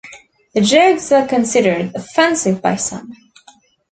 The jokes are considered offensive by some.